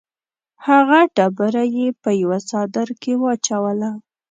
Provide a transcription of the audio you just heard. هغه ډبره یې په یوه څادر کې واچوله.